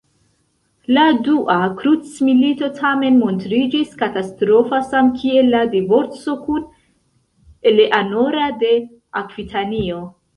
La dua krucmilito tamen montriĝis katastrofa, samkiel la divorco kun Eleanora de Akvitanio.